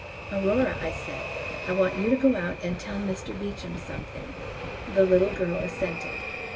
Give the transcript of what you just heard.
"Aurora," I said, I want you to go out and tell Mr Beecham something. The little girl assented.